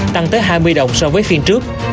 tăng tới hai mươi đồng so với phiên trước